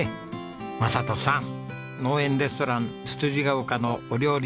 正人さん農園レストランつつじヶ丘のお料理